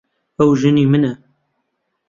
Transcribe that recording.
ئەو ژنی منە.